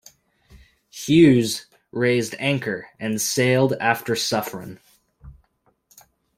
Hughes raised anchor and sailed after Suffren.